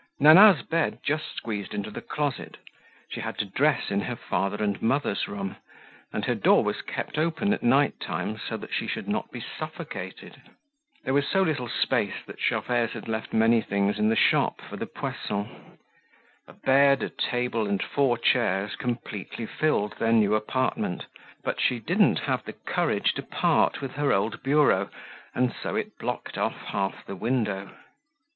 Nana's bed just squeezed into the closet; she had to dress in her father and mother's room, and her door was kept open at night time so that she should not be suffocated. There was so little space that Gervaise had left many things in the shop for the Poissons. A bed, a table, and four chairs completely filled their new apartment but she didn't have the courage to part with her old bureau and so it blocked off half the window.